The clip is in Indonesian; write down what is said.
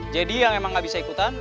jadi yang emang gak bisa ikutan